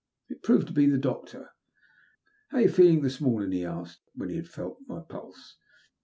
It proved to be the doctor. How are you feeling this morning ?" he asked, when he had felt my pulse.